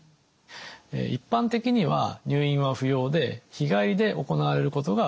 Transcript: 一般的には入院は不要で日帰りで行われることが多いです。